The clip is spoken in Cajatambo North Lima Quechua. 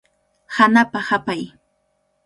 Hanapa hapay.